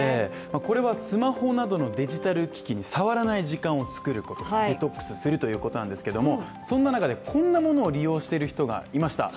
これはスマホなどのデジタル機器に触らない時間を作ることでデトックスするということなんですけども、そんな中でこんなものを利用している人がいました。